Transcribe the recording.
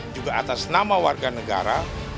juga atas nama warga negara